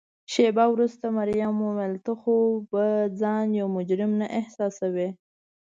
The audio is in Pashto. شیبه وروسته مريم وویل: ته خو به ځان یو مجرم نه احساسوې؟